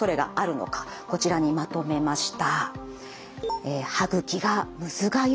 こちらにまとめました。